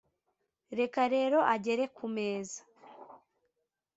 reka rero agere ku meza